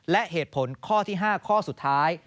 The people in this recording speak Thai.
และเหตุผลข้อที่๕ข้อสุดท้าย